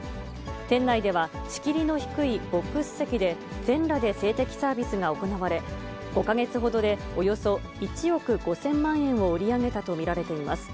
店内では、仕切りの低いボックス席で、全裸で性的サービスが行われ、５か月ほどでおよそ１億５０００万円を売り上げたと見られています。